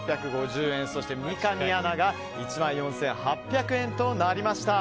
そして三上アナが１万４８００円となりました。